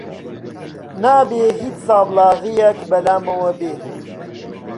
نابێ هیچ سابڵاغییەک بە لامەوە بێ!